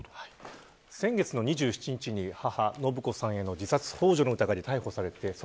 先月の２７日に母延子さんの自殺ほう助の疑いで逮捕されています。